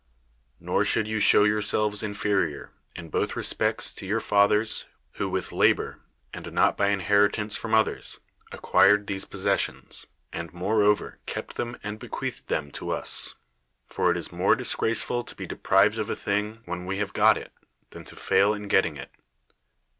Xor should you show yourselves inferior in both respects to your fath ers, who with labor, and not by inheritance from others, acquired these possessions, and moreover kept them and bequeathed them to us ; for it is more disgraceful to be deprived of a thing when we have got it, than to fail in getting it.